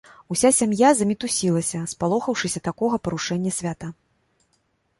Уся сям'я замітусілася, спалохаўшыся такога парушэння свята.